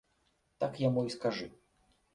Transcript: Так яму і скажы.